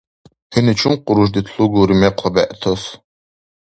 ХӀуни чум къуруш дедлугулри мекъла бегӀтас?